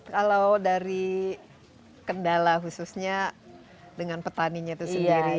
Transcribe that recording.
kalau dari kendala khususnya dengan petaninya itu sendiri